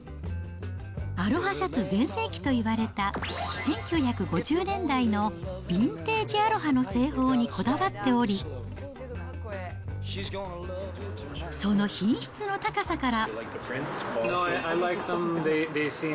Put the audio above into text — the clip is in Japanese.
アロハシャツ全盛期といわれた１９５０年代のビンテージアロハの製法にこだわっており、その品質の高さから。